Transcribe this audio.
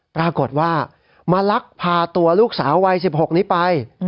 ปรากฏว่ามาลักพาตัวลูกสาววัย๑๖นี้ไป